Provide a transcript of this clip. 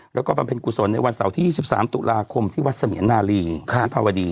แล้วก็ปรับเป็นกุศลในวันเสาร์ที่ยี่สิบสามตุลาคมที่วัดเสมียนาลีค่ะ